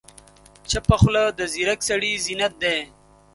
چپه خوله، د ځیرک سړي زینت دی.